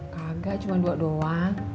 kagak cuma dua doang